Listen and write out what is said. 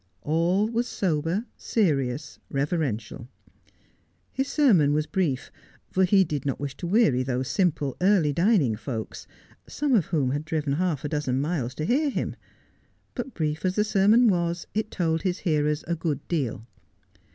All was sober, serious, reverential. His sermon was brief, for he did not wish to weary those simple, early dining folks, some of whom had driven half a dozen miles to hear him ; but brief as the sermon was, it told his hearers a good deal.